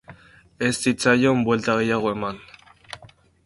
Ez zitzaion buelta gehiago eman.